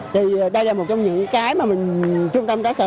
thì đây là một trong những cái mà trung tâm công tác xã hội